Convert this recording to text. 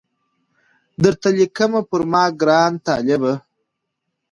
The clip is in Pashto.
درته لیکمه پر ما ګران طالبه